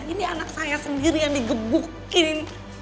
ini anak saya sendiri yang digebukin